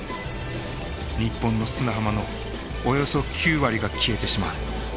日本の砂浜のおよそ９割が消えてしまう。